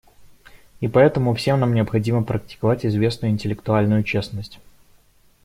И поэтому всем нам необходимо практиковать известную интеллектуальную честность.